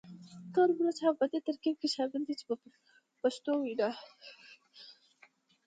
تور مرچ هم په دې ترکیب کې شامل دی په پښتو وینا.